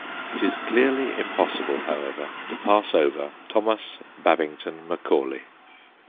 It is clearly impossible, however, to pass over Thomas Babington Macaulay.